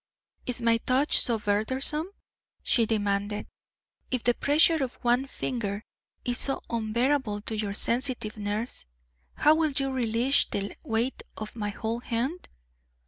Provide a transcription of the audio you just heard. "Is my touch so burdensome?" she demanded. "If the pressure of one finger is so unbearable to your sensitive nerves, how will you relish the weight of my whole hand?"